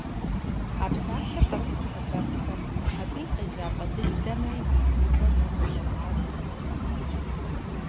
А псалъэр къэзыгъэсэбэпхэм абы и къежьапӀэ дыдэмрэ и мыхьэнэмрэ нэсу щыгъуазэхэкъым.